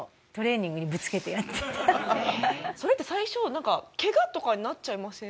それって最初なんかケガとかになっちゃいません？